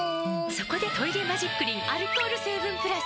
そこで「トイレマジックリン」アルコール成分プラス！